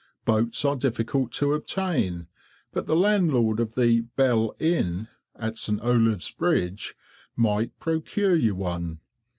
Boats are difficult to obtain, but the landlord of the "Bell" Inn, at St. Olave's bridge, might procure you one.